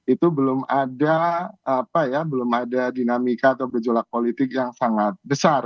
itu belum ada dinamika atau gejolak politik yang sangat besar